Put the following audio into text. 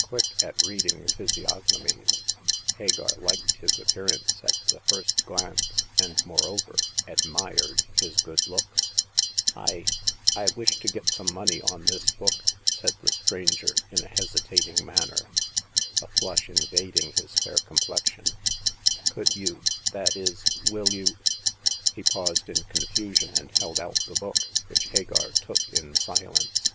Quick at reading physiognomies, Hagar liked his appearance at the first glance, and, moreover, .admired his good looks. The First Customer. 37 '*I — I wish to get some money on this book/' said the stranger in a hesitating manner, a flush invading his fair complexion ;could you— that is, will you " He paused in confusion, and held out the book, which Hagar took in si lence.